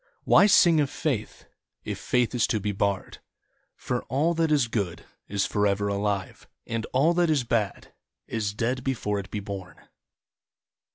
Why sing of Faith, If Faith is to be barred. For all that is good Is forever alive, And all that is bad Is dead before it be born.